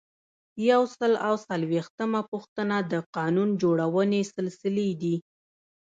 یو سل او څلویښتمه پوښتنه د قانون جوړونې سلسلې دي.